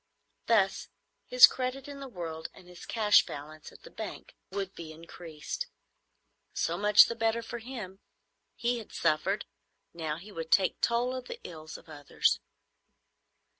Thus his credit in the world and his cash balance at the bank would be increased. So much the better for him. He had suffered. Now he would take toll of the ills of others.